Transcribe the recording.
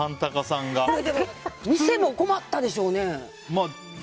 店も困ったでしょうね。